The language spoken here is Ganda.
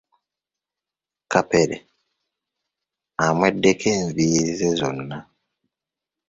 Kapere amweddeko enviiri ze zonna.